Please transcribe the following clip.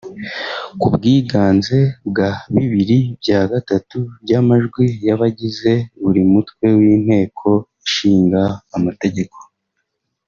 ku bwiganze bwa bibiri bya gatatu by’amajwi y’abagize buri Mutwe w’Inteko Ishinga Amategeko